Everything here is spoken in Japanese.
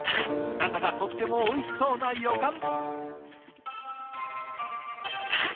何だかとってもおいしそうな予感！